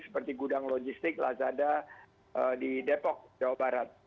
seperti gudang logistik lazada di depok jawa barat